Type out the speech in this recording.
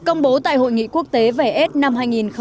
công bố tại hội nghị quốc tế về aids năm hai nghìn một mươi tám